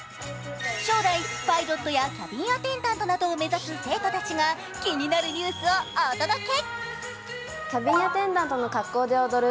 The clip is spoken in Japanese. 将来パイロットやキャビンアテンダントを目指す生徒たちが気になるニュースをお届け！